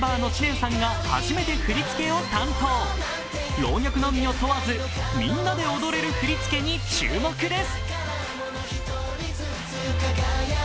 老若男女問わずみんなで踊れる振り付けに注目です。